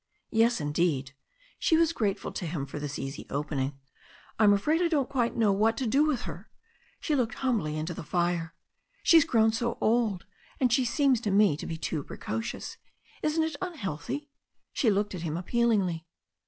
"Yes, indeed," She was grateful to him for this easy opening. "Fm afraid I don't quite know what to do with her" — she looked humbly into the fire — ^*'she's grown so old, and she seems to me to be too precocious. Isn't it tmhealthy?" She looked at him appealingly.